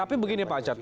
tapi begini pak acat